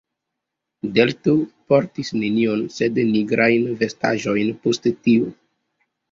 Delto portis nenion sed nigrajn vestaĵojn post tio.